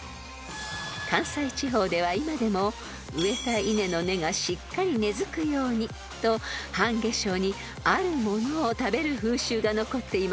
［関西地方では今でも植えた稲の根がしっかり根付くようにと半夏生にあるものを食べる風習が残っています］